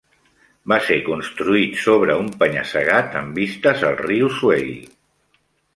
Va ser construït sobre un penya-segat amb vistes al riu Swale.